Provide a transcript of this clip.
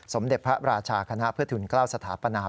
สมเด็จพระราชาคณะเพื่อทุนเกล้าสถาปนา